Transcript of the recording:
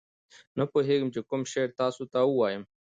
نه پوهېږم چې کوم شعر تاسو ته ووایم.